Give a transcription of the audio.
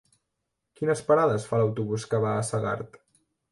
Quines parades fa l'autobús que va a Segart?